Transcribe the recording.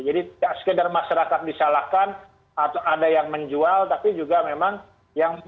jadi tidak sekedar masyarakat disalahkan atau ada yang menjual tapi juga memang yang